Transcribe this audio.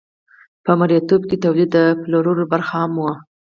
په مرئیتوب کې تولید د پلورلو لپاره هم و.